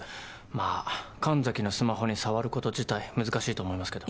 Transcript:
まあ神崎のスマホに触ること自体難しいと思いますけど。